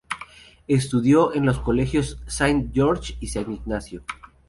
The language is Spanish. Estudió en los colegios Saint George's y San Ignacio.